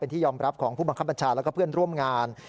ที่ยอมรับของผู้บังคับบัญชาแล้วก็เพื่อนร่วมงาน